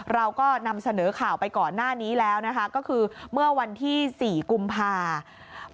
เราก็นำเสนอข่าวไปก่อนหน้านี้แล้วนะคะก็คือเมื่อวันที่๔กุมภาคม